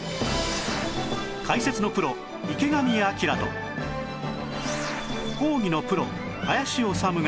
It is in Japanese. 解説のプロ池上彰と講義のプロ林修が